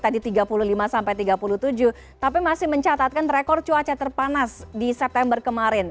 tadi tiga puluh lima sampai tiga puluh tujuh tapi masih mencatatkan rekor cuaca terpanas di september kemarin